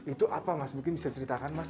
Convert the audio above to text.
itu apa mas mungkin bisa ceritakan mas